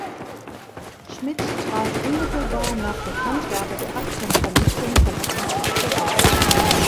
Schmid trat unmittelbar nach Bekanntgabe der Aktenvernichtung vom Amt zurück.